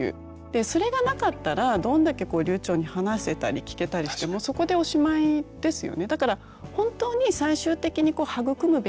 それがなかったらどんだけ流ちょうに話せたり聞けたりしてもそこでおしまいですよね。